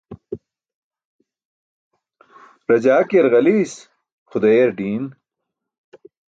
Rajaakiyar ġaliis, xudeeyar diin.